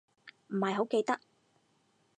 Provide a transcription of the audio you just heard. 唔係好記得